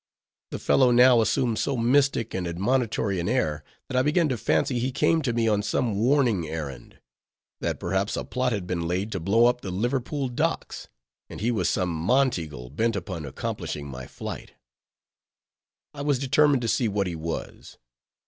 The fellow now assumed so mystic and admonitory an air, that I began to fancy he came to me on some warning errand; that perhaps a plot had been laid to blow up the Liverpool docks, and he was some Monteagle bent upon accomplishing my flight. I was determined to see what he was.